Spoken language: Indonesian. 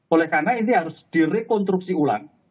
oleh karena ini harus direkonstruksi ulang